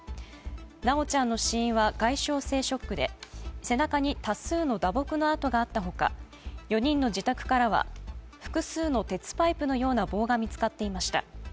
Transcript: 修ちゃんの死因は外傷性ショックで背中に多数の打撲の痕があったほか、４人の自宅からは複数の鉄パイプのような棒が見つかっていました。